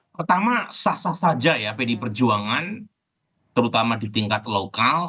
pertama sah sah saja ya pdi perjuangan terutama di tingkat lokal